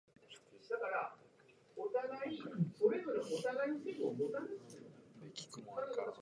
ゲーム実況者の声の大きさは、人によってまちまちである。また、そのスタイルも多種多様だ。